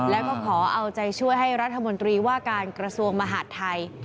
แล้วก็ขอเอาใจช่วยให้รัฐมนตรีว่าการกระทรวงมหาดไทย